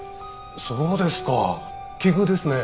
そうですか奇遇ですね。